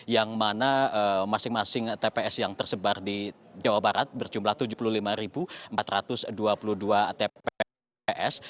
yang mana masing masing tps yang tersebar di jawa barat berjumlah tujuh puluh lima empat ratus dua puluh dua tpps